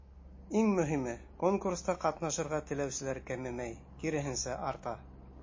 Иң мөһиме — конкурста ҡатнашырға теләүселәр кәмемәй, киреһенсә, арта.